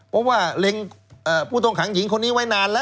เพราะว่าเล็งผู้ต้องขังหญิงคนนี้ไว้นานแล้ว